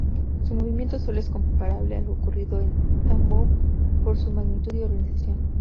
Su movimiento sólo es comparable al ocurrido en Tambov por su magnitud y organización.